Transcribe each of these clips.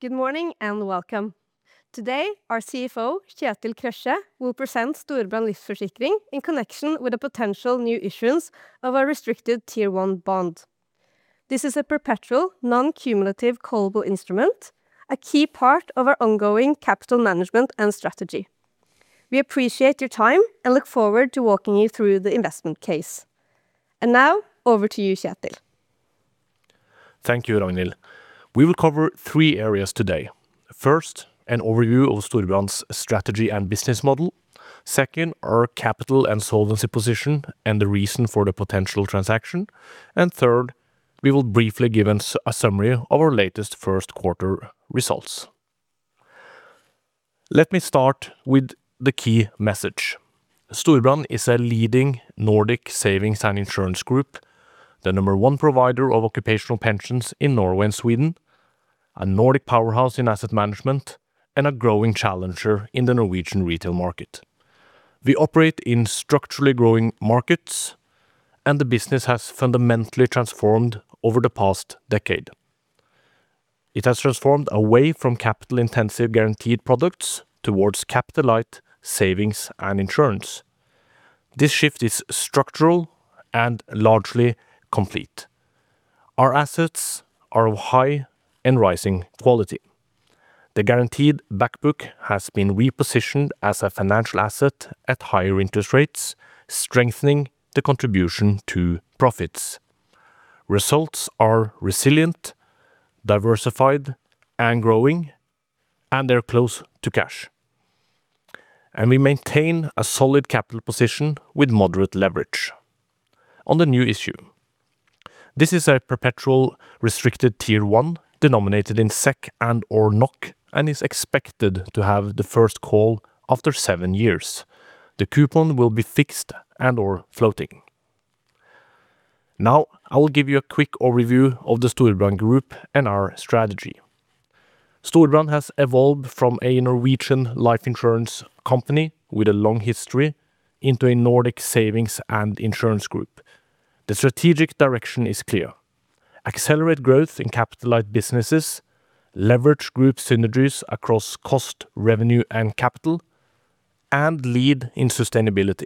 Good morning and welcome. Today, our CFO, Kjetil Krøkje, will present Storebrand Livsforsikring in connection with a potential new issuance of a restricted Tier 1 bond. This is a perpetual, non-cumulative callable instrument, a key part of our ongoing capital management and strategy. We appreciate your time and look forward to walking you through the investment case. Now, over to you, Kjetil. Thank you, Ragnhild. We will cover three areas today. First, an overview of Storebrand's strategy and business model. Second, our capital and solvency position and the reason for the potential transaction. Third, we will briefly give a summary of our latest first quarter results. Let me start with the key message. Storebrand is a leading Nordic savings and insurance group, the number one provider of occupational pensions in Norway and Sweden, a Nordic powerhouse in asset management, and a growing challenger in the Norwegian retail market. We operate in structurally growing markets, and the business has fundamentally transformed over the past decade. It has transformed away from capital intensive guaranteed products towards capital light savings and insurance. This shift is structural and largely complete. Our assets are of high and rising quality. The guaranteed back book has been repositioned as a financial asset at higher interest rates, strengthening the contribution to profits. Results are resilient, diversified, and growing, and they're close to cash. We maintain a solid capital position with moderate leverage. On the new issue, this is a perpetual restricted Tier 1 denominated in SEK and or NOK and is expected to have the first call after seven years. The coupon will be fixed and or floating. Now, I will give you a quick overview of the Storebrand Group and our strategy. Storebrand has evolved from a Norwegian life insurance company with a long history into a Nordic savings and insurance group. The strategic direction is clear. Accelerate growth in capital light businesses, leverage group synergies across cost, revenue, and capital, and lead in sustainability.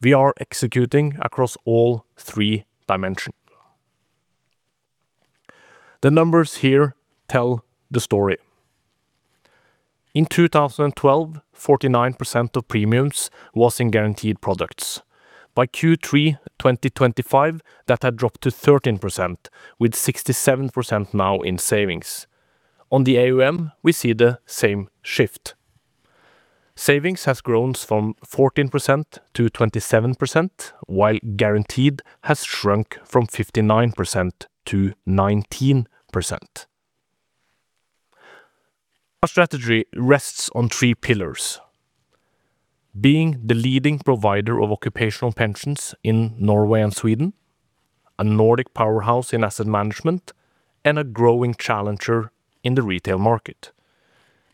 We are executing across all three dimensions. The numbers here tell the story. In 2012, 49% of premiums was in guaranteed products. By Q3 2025, that had dropped to 13%, with 67% now in savings. On the AUM, we see the same shift. Savings has grown from 14% to 27%, while guaranteed has shrunk from 59% to 19%. Our strategy rests on three pillars. Being the leading provider of occupational pensions in Norway and Sweden, a Nordic powerhouse in asset management, and a growing challenger in the retail market.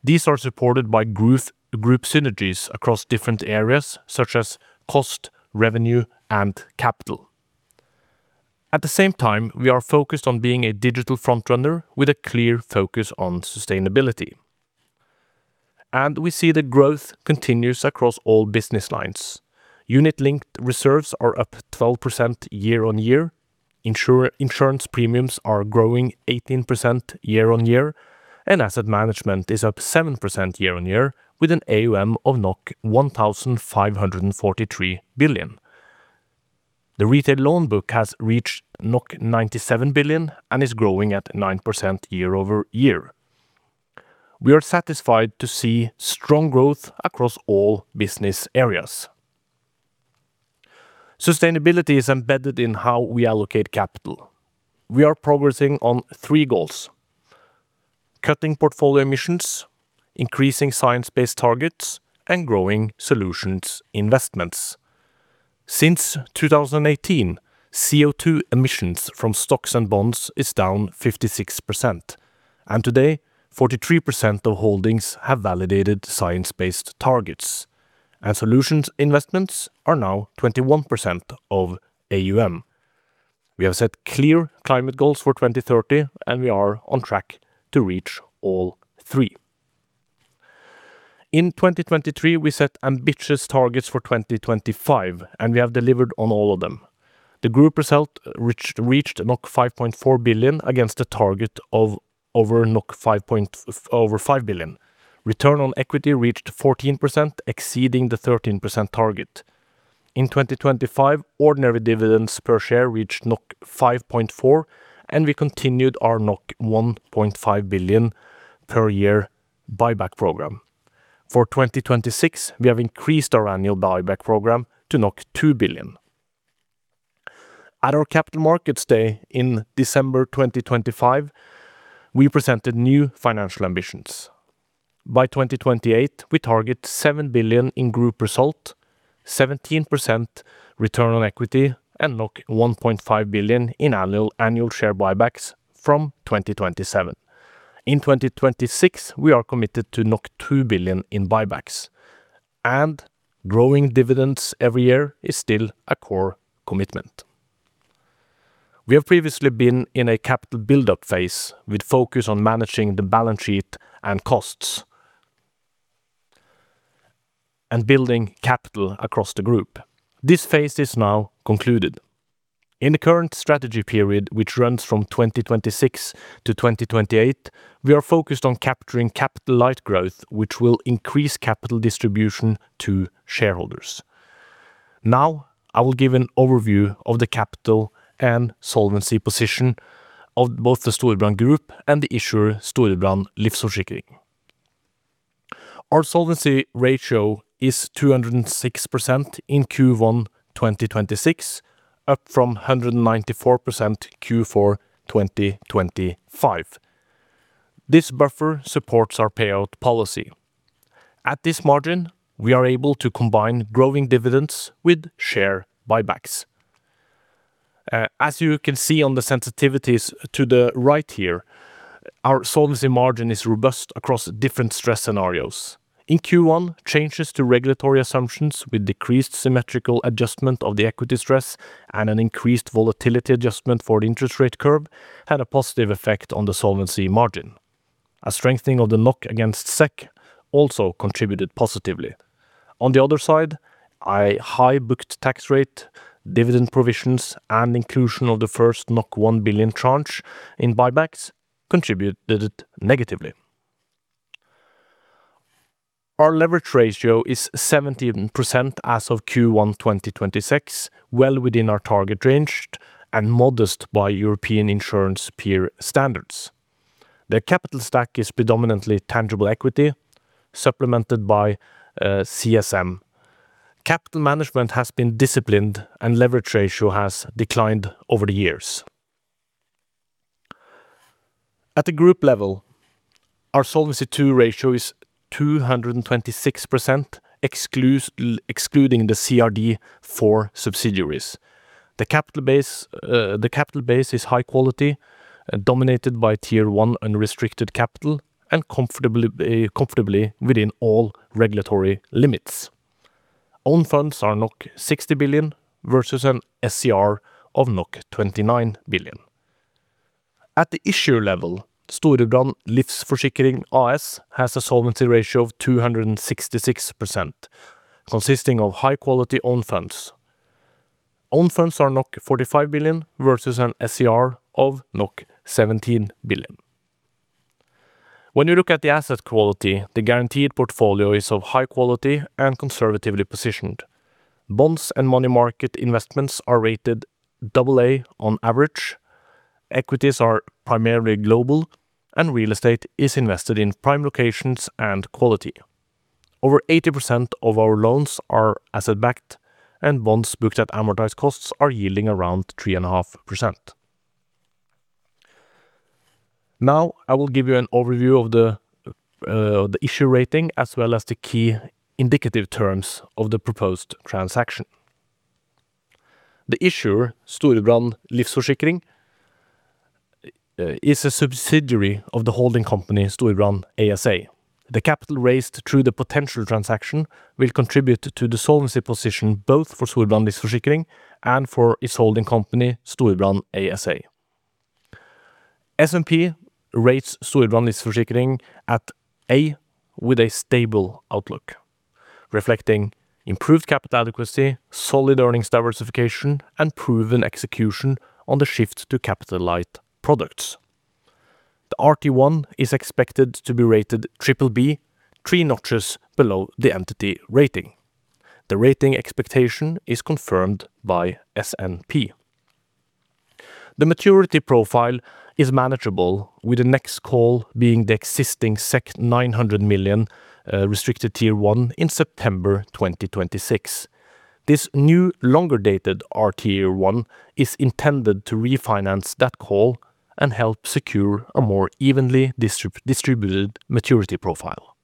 These are supported by growth, group synergies across different areas such as cost, revenue, and capital. At the same time, we are focused on being a digital front runner with a clear focus on sustainability. We see the growth continues across all business lines. Unit-linked reserves are up 12% year-on-year. Insurance premiums are growing 18% year-on-year, and asset management is up 7% year-on-year with an AUM of 1,543 billion. The retail loan book has reached 97 billion and is growing at 9% year-over-year. We are satisfied to see strong growth across all business areas. Sustainability is embedded in how we allocate capital. We are progressing on three goals. Cutting portfolio emissions, increasing science-based targets, and growing solutions investments. Since 2018, CO2 emissions from stocks and bonds is down 56%, and today, 43% of holdings have validated science-based targets. Solutions investments are now 21% of AUM. We have set clear climate goals for 2030, and we are on track to reach all three. In 2023, we set ambitious targets for 2025, and we have delivered on all of them. The group result reached 5.4 billion against a target of over 5 billion. Return on equity reached 14%, exceeding the 13% target. In 2025, ordinary dividends per share reached 5.4, and we continued our 1.5 billion per year buyback program. For 2026, we have increased our annual buyback program to 2 billion. At our Capital Markets Day in December 2025, we presented new financial ambitions. By 2028, we target 7 billion in group result, 17% return on equity, and 1.5 billion in annual share buybacks from 2027. In 2026, we are committed to 2 billion in buybacks. Growing dividends every year is still a core commitment. We have previously been in a capital build-up phase with focus on managing the balance sheet and costs and building capital across the group. This phase is now concluded. In the current strategy period which runs from 2026 to 2028, we are focused on capturing capital light growth which will increase capital distribution to shareholders. Now, I will give an overview of the capital and solvency position of both the Storebrand Group and the issuer Storebrand Livsforsikring. Our solvency ratio is 206% in Q1 2026, up from 194% Q4 2025. This buffer supports our payout policy. At this margin, we are able to combine growing dividends with share buybacks. As you can see on the sensitivities to the right here, our solvency margin is robust across different stress scenarios. In Q1, changes to regulatory assumptions with decreased symmetrical adjustment of the equity stress and an increased volatility adjustment for the interest rate curve had a positive effect on the solvency margin. A strengthening of the NOK against SEK also contributed positively. On the other side, a high booked tax rate, dividend provisions, and inclusion of the first 1 billion tranche in buybacks contributed negatively. Our leverage ratio is 17% as of Q1 2026, well within our target range and modest by European insurance peer standards. The capital stack is predominantly tangible equity supplemented by CSM. Capital management has been disciplined and leverage ratio has declined over the years. At the group level, our Solvency II ratio is 226% excluding the CRD for subsidiaries. The capital base, the capital base is high quality, dominated by Tier 1 unrestricted capital and comfortably within all regulatory limits. Own funds are 60 billion versus an SCR of 29 billion. At the issuer level, Storebrand Livsforsikring AS has a solvency ratio of 266% consisting of high quality own funds. Own funds are 45 billion versus an SCR of 17 billion. When you look at the asset quality, the guaranteed portfolio is of high quality and conservatively positioned. Bonds and money market investments are rated double A on average. Equities are primarily global, and real estate is invested in prime locations and quality. Over 80% of our loans are asset-backed and bonds booked at amortized costs are yielding around 3.5%. Now, I will give you an overview of the issuer rating as well as the key indicative terms of the proposed transaction. The issuer, Storebrand Livsforsikring, is a subsidiary of the holding company, Storebrand ASA. The capital raised through the potential transaction will contribute to the solvency position both for Storebrand Livsforsikring and for its holding company, Storebrand ASA. S&P rates Storebrand Livsforsikring at A with a stable outlook, reflecting improved capital adequacy, solid earnings diversification, and proven execution on the shift to capital-light products. The RT1 is expected to be rated triple B, three notches below the entity rating. The rating expectation is confirmed by S&P. The maturity profile is manageable with the next call being the existing 900 million restricted Tier 1 in September 2026. This new longer-dated RT1 is intended to refinance that call and help secure a more evenly distributed maturity profile.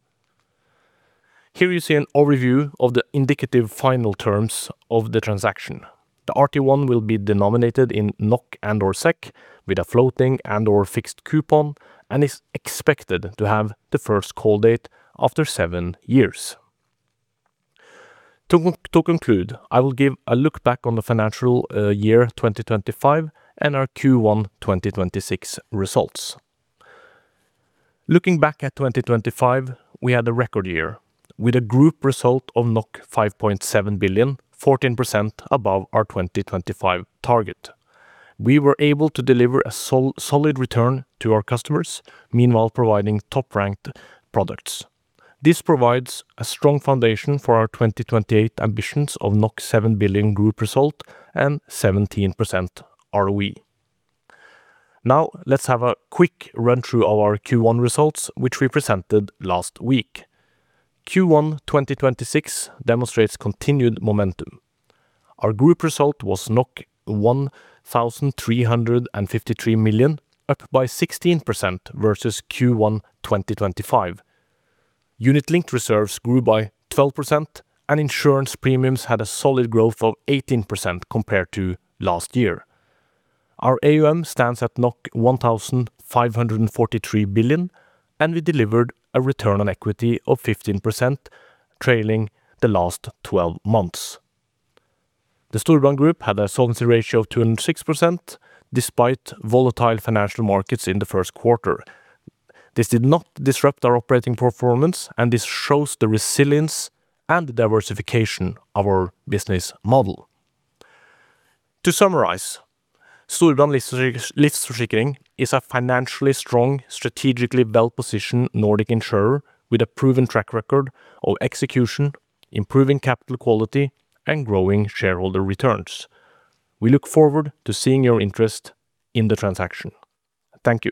Here you see an overview of the indicative final terms of the transaction. The RT1 will be denominated in NOK and/or SEK with a floating and/or fixed coupon and is expected to have the first call date after seven years. To conclude, I will give a look back on the financial year 2025 and our Q1 2026 results. Looking back at 2025, we had a record year with a group result of 5.7 billion, 14% above our 2025 target. We were able to deliver a solid return to our customers, meanwhile providing top-ranked products. This provides a strong foundation for our 2028 ambitions of 7 billion group result and 17% ROE. Now, let's have a quick run-through of our Q1 results which we presented last week. Q1 2026 demonstrates continued momentum. Our group result was 1,353 million, up by 16% versus Q1 2025. Unit-linked reserves grew by 12% and insurance premiums had a solid growth of 18% compared to last year. Our AUM stands at 1,543 billion, and we delivered a return on equity of 15% trailing the last 12 months. The Storebrand Group had a solvency ratio of 206% despite volatile financial markets in the first quarter. This did not disrupt our operating performance, and this shows the resilience and diversification of our business model. To summarize, Storebrand Livsforsikring is a financially strong, strategically well-positioned Nordic insurer with a proven track record of execution, improving capital quality, and growing shareholder returns. We look forward to seeing your interest in the transaction. Thank you.